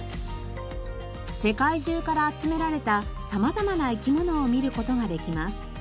世界中から集められた様々な生き物を見る事ができます。